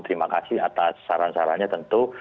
terima kasih atas saran sarannya tentu